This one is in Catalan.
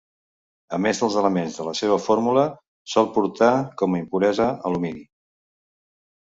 A més dels elements de la seva fórmula, sol portar com a impuresa alumini.